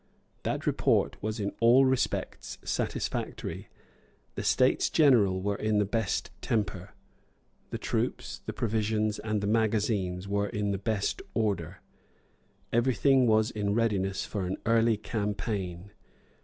That report was in all respects satisfactory. The States General were in the best temper; the troops, the provisions and the magazines were in the best order. Every thing was in readiness for an early campaign.